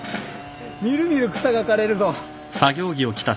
見る見る草が刈れるぞ！